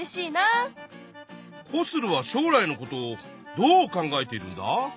コスルは将来のことどう考えているんだ？